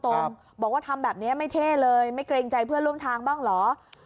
บอกว่าทำแบบนี้ไม่เท่เลยไม่เกรงใจเพื่อนร่วมทางบ้างเหรอ